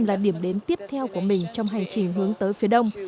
là điểm đến tiếp theo của mình trong hành trình hướng tới phía đông